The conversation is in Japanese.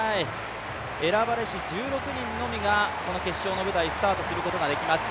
選ばれし１６人のみがこの決勝の舞台スタートすることができます。